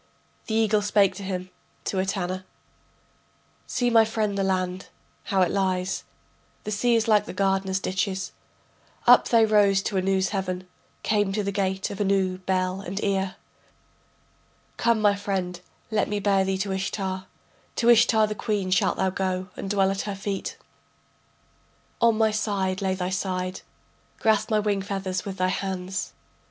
The eagle spake to him, to Etana: See my friend the land, how it lies, The sea is like the gardener's ditches. Up they rose to Anu's heaven, Came to the gate of Anu, Bel and Ea.... Come, my friend, let me bear thee to Ishtar, To Ishtar, the queen, shalt thou go, and dwell at her feet. On my side lay thy side, Grasp my wing feathers with thy hands.